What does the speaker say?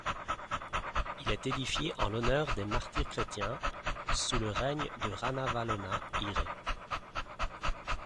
Il est édifié en l'honneur des martyrs chrétiens sous le règne de Ranavalona Ire.